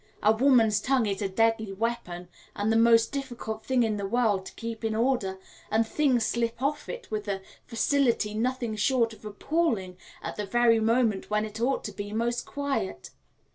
A woman's tongue is a deadly weapon and the most difficult thing in the world to keep in order, and things slip off it with a facility nothing short of appalling at the very moment when it ought to be most quiet.